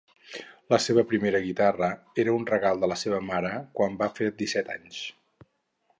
La seva primera guitarra era un regal de la seva mare quan va fer disset anys.